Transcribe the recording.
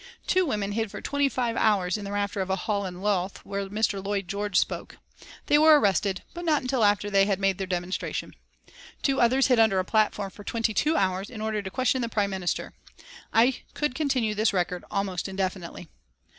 Two women hid for twenty five hours in the rafters of a hall in Louth where Mr. Lloyd George spoke. They were arrested, but not until after they had made their demonstration. Two others hid under a platform for twenty two hours in order to question the Prime Minister. I could continue this record almost indefinitely.